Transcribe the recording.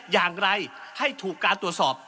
อย่างไรให้ถูกการตรวจสอบ